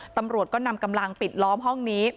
ตำรวจก็นำกำลังปิดล้อมห้องนี้